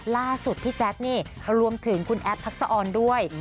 ล่าสุดพี่แจ๊คนี่รวมถึงคุณแอฟทักษะออนด้วย